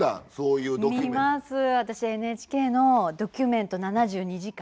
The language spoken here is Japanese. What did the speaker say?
私ＮＨＫの「ドキュメント７２時間」。